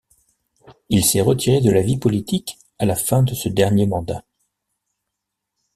Il s'est retiré de la vie politique à la fin de ce dernier mandat.